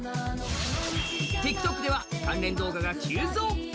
ＴｉｋＴｏｋでは関連動画が急増。